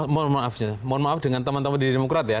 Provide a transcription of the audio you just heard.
mohon maaf dengan teman teman di demokrat ya